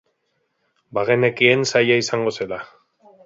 Bagenekien zaila izango zela.